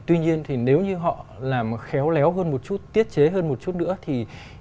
tuy nhiên thì nếu như họ làm khéo léo hơn một chút tiết chế hơn một chút nữa thì